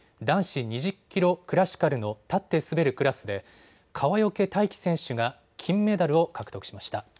男子２０キロクラシカルの立って滑るクラスで川除大輝選手が金メダルを獲得しました。